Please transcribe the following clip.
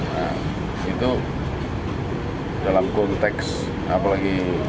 nah itu dalam konteks apalagi